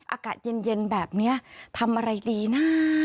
อากาศเย็นแบบนี้ทำอะไรดีนะ